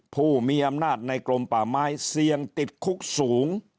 ผู้มีอำนาจในกรมป่าไม้เสี่ยงติดคุกสูง